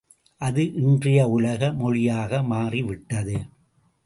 அது இன்றைய உலக மொழியாக மாறிவிட்டது.